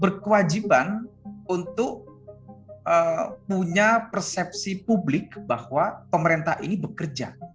berkewajiban untuk punya persepsi publik bahwa pemerintah ini bekerja